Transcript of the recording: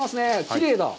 きれいだ。